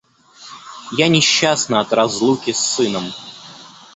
Я несчастна от разлуки с сыном.